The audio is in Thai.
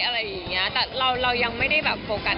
อะไรอย่างเงี้ยแต่เราเรายังไม่ได้แบบโฟกัส